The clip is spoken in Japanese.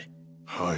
はい。